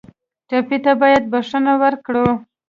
ټپي ته باید بښنه ورکړو.